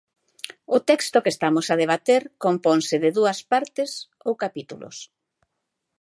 O texto que estamos a debater componse de dúas partes ou capítulos.